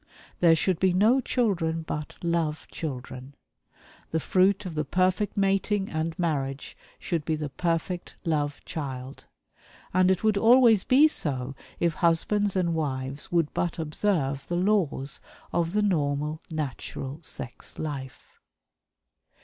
There should be no children but "love children." The fruit of the perfect mating and marriage should be the perfect "love child" and it would always be so if husbands and wives would but observe the laws of the normal, natural, sex life.